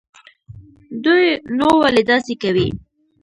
دوى نو ولې داسې کوي.